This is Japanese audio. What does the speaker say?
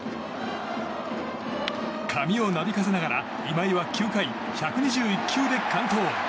髪をなびかせながら今井は９回１２１球の完投勝利。